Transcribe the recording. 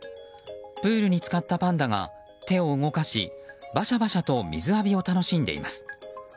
プールに浸かったパンダが手を動かしバシャバシャと水浴びを楽しんでいます。